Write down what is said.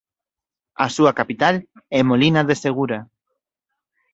A súa capital é Molina de Segura.